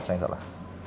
saya yang salah